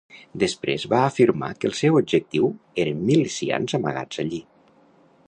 Després va afirmar que el seu objectiu eren milicians amagats allí.